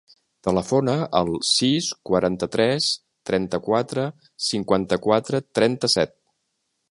Telefona al sis, quaranta-tres, trenta-quatre, cinquanta-quatre, trenta-set.